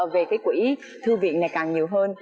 về cái quỹ thư viện này càng nhiều hơn